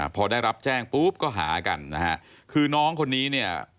พอได้รับแจ้งปุ๊บก็หากันนะฮะคือน้องคนนี้เนี่ย